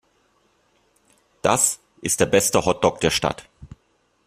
Das ist der beste Hotdog der Stadt.